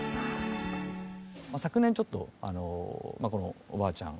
昨年ちょっとこのおばあちゃん